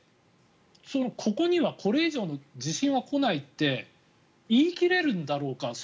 ここにはこれ以上の地震は来ないって言い切れるんだろうか。